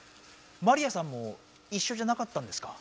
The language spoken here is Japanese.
マリアさんもいっしょじゃなかったんですか？